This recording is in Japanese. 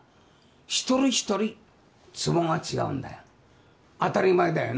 一人一人ツボが違うんだよ当たり前だよな